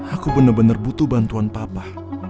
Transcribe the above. aku benar benar butuh bantuan papa